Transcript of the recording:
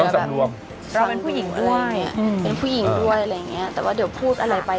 อ๋อต้องสั่งรวมสั่งดูอะไรอย่างนี้เป็นผู้หญิงด้วยอะไรอย่างนี้แต่ว่าเดี๋ยวพูดอะไรไป